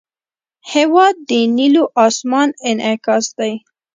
هېواد د نیلو آسمان انعکاس دی.